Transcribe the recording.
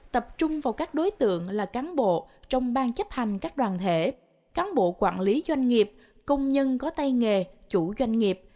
tập trung vào các đối tượng là cán bộ trong bang chấp hành các đoàn thể cán bộ quản lý doanh nghiệp công nhân có tay nghề chủ doanh nghiệp